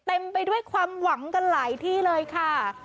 ไปด้วยความหวังกันหลายที่เลยค่ะ